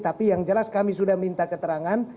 tapi yang jelas kami sudah minta keterangan